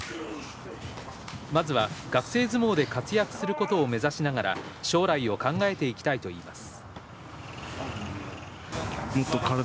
まずは、学生相撲で活躍することを目指しながら将来を考えていきたいといいます。